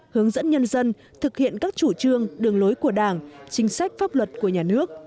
hướng dẫn nhân dân thực hiện các chủ trương đường lối của đảng chính sách pháp luật của nhà nước